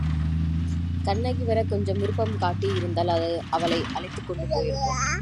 கண்ணகி வரக் கொஞ்சம் விருப்பம் காட்டியிருந்தால் அது அவளை அழைத்துக்கொண்டு போயிருக்கும்.